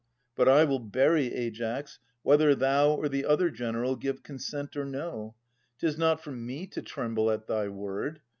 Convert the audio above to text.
But I will bury Aias, whether thou Or the other general give consent or no. 'Tis not for me to tremble at thy word.